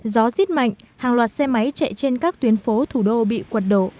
gió rất mạnh hàng loạt xe máy chạy trên các tuyến phố thủ đô bị quật đổ